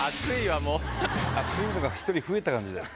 熱いのが１人増えた。